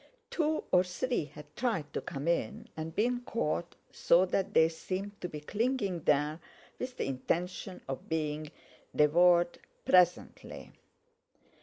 Two or three had tried to come in, and been caught, so that they seemed to be clinging there with the intention of being devoured presently.